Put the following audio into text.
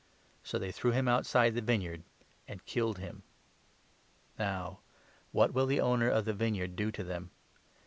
So they threw him outside the vineyard and killed him. 15 Now what will the owner of the vineyard do to them